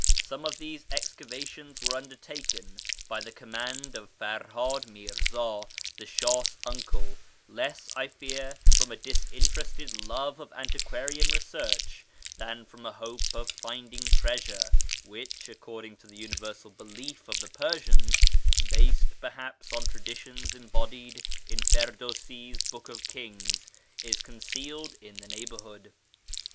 Some of these excavations were under taken by the command of Ferhad Mirza, the Shah's uncle — less, I fear, from a disinterested love of antiquarian research than from a hope of finding treasure, which, according to the universal belief of the Persians (based, perhaps, on traditions embodied in Firdawsi's Book of Kings), is concealed in the neighbourhood.